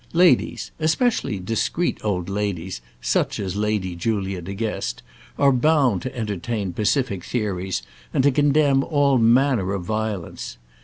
Ladies, especially discreet old ladies, such as Lady Julia De Guest, are bound to entertain pacific theories, and to condemn all manner of violence.